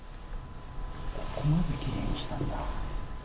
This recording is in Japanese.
ここまできれいにしたんだ。